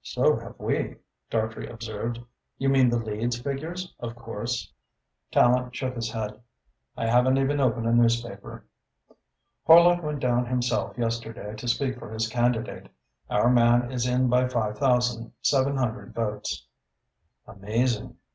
"So have we," Dartrey observed. "You mean the Leeds figures, of course?" Tallente shook his head. "I haven't even opened a newspaper." "Horlock went down himself yesterday to speak for his candidate. Our man is in by five thousand, seven hundred votes." "Amazing!"